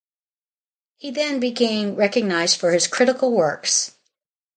He then became recognized for his critical works.